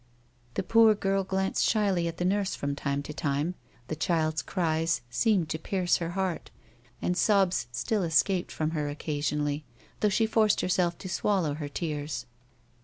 The poor girl glanced shyly at the nurse from time to time; the child's cries seemed to pierce her heart, and sobs still escaped from her occasionally, though she forced herself to swallow her tears.